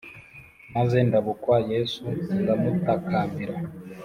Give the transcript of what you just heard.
Maze ndabukwa yesu ndamutakambira